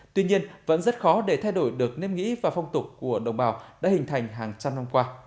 tuy nhiên vẫn rất khó để thay đổi được nếp nghĩ và phong tục của đồng bào đã hình thành hàng trăm năm qua